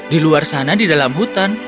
di luar sana di dalam hutan